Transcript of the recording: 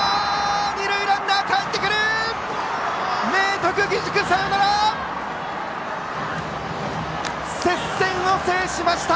二塁ランナーかえってきた！